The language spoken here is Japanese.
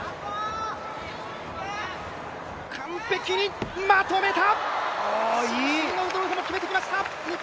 完璧にまとめた！